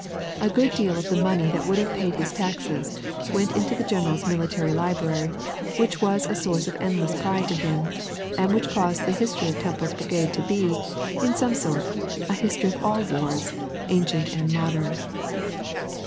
A good deal of the money that would have paid his taxes went into the general's military library, which was a source of endless pride to him, and which caused the History of Temple's Brigade to be, in some sort, a history of all wars, ancient and modern.